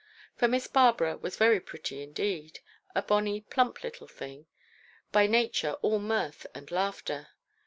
For Miss Barbara was very pretty indeed; a bonny, plump little thing, by nature all mirth and laughter.